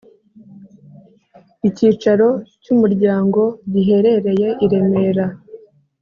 Icyicaro cy umuryango giherereye i Remera